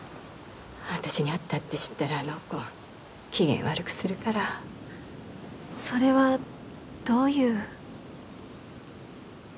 私に会ったって知ったらあの子機嫌悪くするからそれはどういう？